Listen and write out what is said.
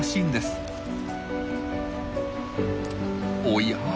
おや？